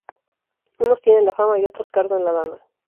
Unos tienen la fama y otros cardan la lana